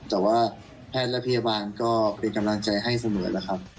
แต่ว่าแพทย์และพยาบาลก็เป็นกำลังใจให้เสมอแล้วครับ